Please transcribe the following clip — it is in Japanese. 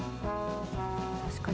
確かに。